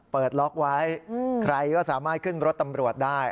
เปิดล็อกไว้ใครก็สามารถขึ้นรถตำรวจได้